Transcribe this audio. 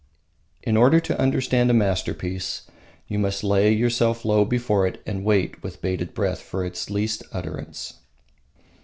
In order to understand a masterpiece, you must lay yourself low before it and await with bated breath its least utterance.